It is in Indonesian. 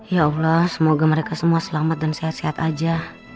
ya allah semoga mereka semua selamat dan sehat sehat aja